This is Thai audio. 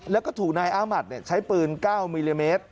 แล้วก็ถูกนายอามัติใช้ปืน๙มิลลิเมตร